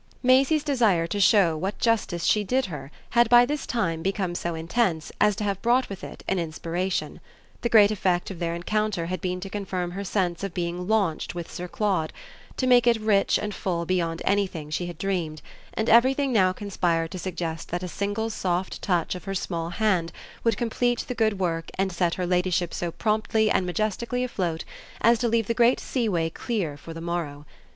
Maisie's desire to show what justice she did her had by this time become so intense as to have brought with it an inspiration. The great effect of their encounter had been to confirm her sense of being launched with Sir Claude, to make it rich and full beyond anything she had dreamed, and everything now conspired to suggest that a single soft touch of her small hand would complete the good work and set her ladyship so promptly and majestically afloat as to leave the great seaway clear for the morrow.